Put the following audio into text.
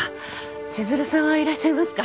千鶴さんはいらっしゃいますか？